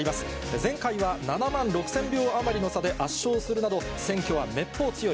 前回は７万６０００票余りの差で圧勝するなど、選挙はめっぽう強い。